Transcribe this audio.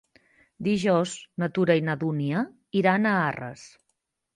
Dijous na Tura i na Dúnia iran a Arres.